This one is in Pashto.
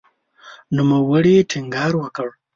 نوموړي ټینګار وکړ